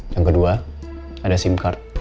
yang kedua ada sim card pada sisanya